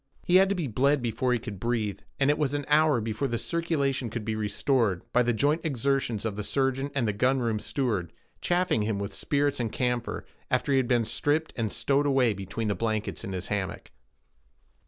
He had to be bled before he could breathe, and it was an hour before the circulation could be restored, by the joint exertions of the surgeon and gun room steward, chafing him with spirits and camphor, after he had been stripped and stowed away between the blankets in his hammock.